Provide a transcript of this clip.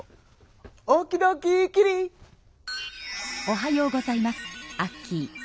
おはようございますアッキー。